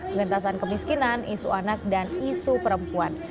lintasan kemiskinan isu anak dan isu perempuan